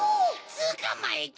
つかまえた！